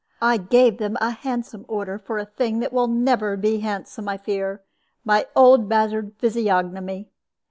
I gave them a handsome order for a thing that will never be handsome, I fear my old battered physiognomy.